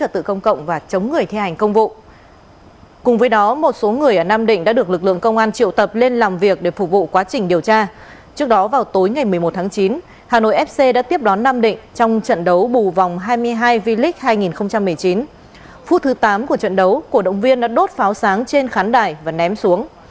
trường tám của trận đấu cổ động viên đã đốt pháo sáng trên khán đài và ném xuống